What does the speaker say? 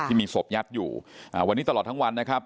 ที่มีศพยัดอยู่วันนี้ตลอดทั้งวันนะครับ